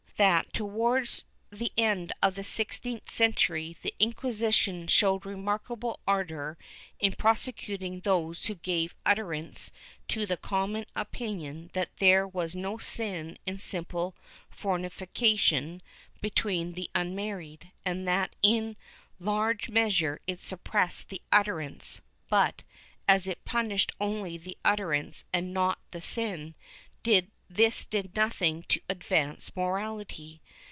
510 EETBOSPECT [Book IX towards the end of the sixteenth century, the Inquisition showed remarkable ardor in prosecuting those who gave utterance to the common opinion that there was no sin in simple fornication between the unmarried, and that in large measure it suppressed the utterance, but, as it punished only the utterance and not the sin, this did nothing to advance morality.